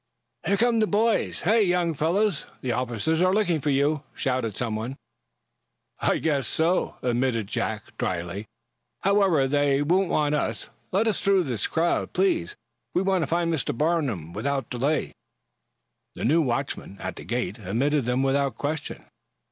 "Here come those boys! Hey, young fellows, the officers are looking for you!" shouted someone. "I guess so," admitted Jack, dryly. "However, they won't want us. Let us through this crowd, please. We want to find Mr. Farnum without delay." The new watchman, at the gate, admitted them without question.